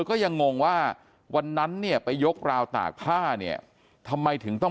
ก็ยังงงว่าวันนั้นเนี่ยไปยกราวตากผ้าเนี่ยทำไมถึงต้อง